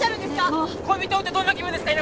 恋人を売ってどんな気分ですか？